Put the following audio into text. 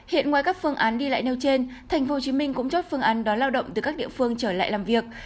hiện ngoài các phương án đi lại nêu trên thành phố hồ chí minh cũng chốt phương án đón lao động từ các địa phương trở lại làm việc